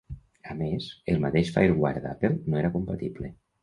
A més, el mateix FireWire d'Apple no era compatible.